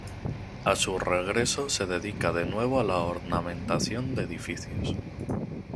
A su regreso se dedica de nuevo a la ornamentación de edificios.